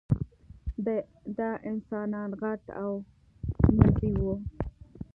دا انسانان غټ او مزي وو.